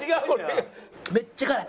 めっちゃ辛い！